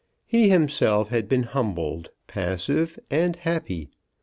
He himself had been humbled, passive, and happy.